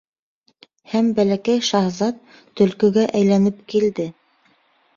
Һәм Бәләкәй шаһзат Төлкөгә әйләнеп килде.